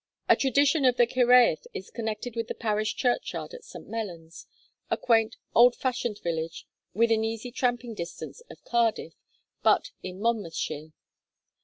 A tradition of the Cyhyraeth is connected with the parish churchyard at St. Mellons, a quaint old fashioned village within easy tramping distance of Cardiff, but in Monmouthshire.